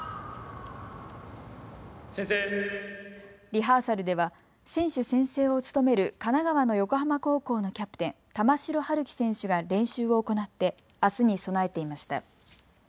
リハーサルでは選手宣誓を務める神奈川の横浜高校のキャプテン、玉城陽希選手が練習を行ってあすに備えていました。